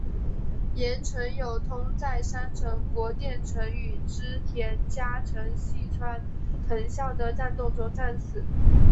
岩成友通在山城国淀城与织田家臣细川藤孝的战斗中战死。